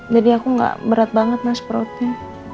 jadi aku gak berat banget nah seperutnya